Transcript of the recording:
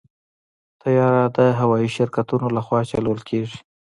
طیاره د هوايي شرکتونو لخوا چلول کېږي.